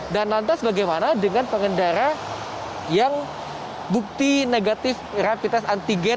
dan lantas bagaimana dengan pengendara yang bukti negatif rapid test antigen